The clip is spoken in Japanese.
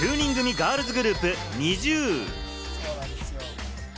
ガールズグループ・ＮｉｚｉＵ。